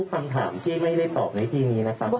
คำถามที่ไม่ได้ตอบในที่นี้นะครับ